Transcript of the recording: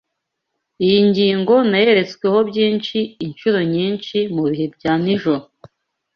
Iyi ngingo nayeretsweho byinshi inshuro nyinshi mu bihe bya nijoro.